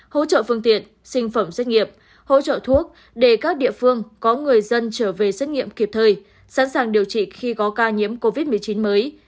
hỗ trợ phương tiện sinh phẩm xét nghiệm hỗ trợ thuốc để các địa phương có người dân trở về xét nghiệm kịp thời sẵn sàng điều trị khi có ca nhiễm covid một mươi chín mới